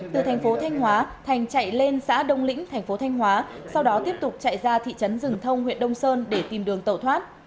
từ tp thanh hóa thành chạy lên xã đông lĩnh tp thanh hóa sau đó tiếp tục chạy ra thị trấn rừng thông huyện đông sơn để tìm đường tẩu thoát